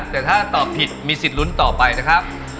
แต่ถ้าตอบผิดมีสิทธิ์ลุ้นต่อไปนะครับ